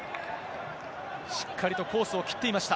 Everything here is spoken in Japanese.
しっかりとコースを切っていました。